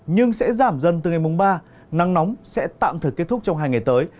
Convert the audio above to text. nhưng sẽ giảm dần từ ngày mùng ba nắng nóng sẽ tạm thời kết thúc trong hai ngày tới